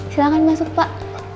silahkan masuk pak